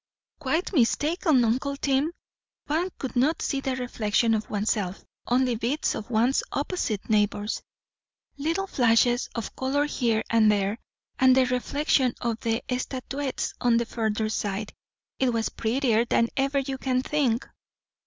"Quite mistaken, uncle Tim; one could not see the reflection of oneself; only bits of one's opposite neighbours; little flashes of colour here and there; and the reflection of the statuettes on the further side; it was prettier than ever you can think."